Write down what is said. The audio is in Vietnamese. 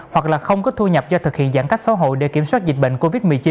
hoặc là không có thu nhập do thực hiện giãn cách xã hội để kiểm soát dịch bệnh covid một mươi chín